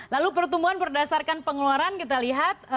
lalu pertumbuhan berdasarkan pengeluaran kita lihat